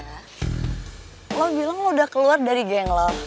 lo bilang lo udah keluar dari geng lo